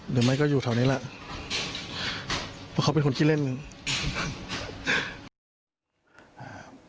หรือไม่ก็อยู่แถวนี้แหละเพราะเขาเป็นคนขี้เล่น